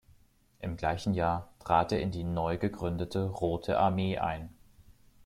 Im gleichen Jahr trat er in die neu gegründete Rote Armee ein.